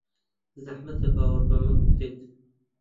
زەحمەتە باوەڕ بەمە بکرێت.